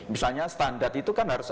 misalnya standar itu kan harus